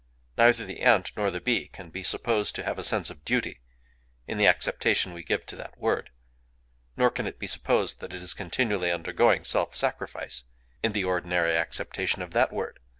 Neither the ant nor the bee can be supposed to have a sense of duty, in the acceptation we give to that word; nor can it be supposed that it is continually undergoing self sacrifice, in the ordinary acceptation of that word...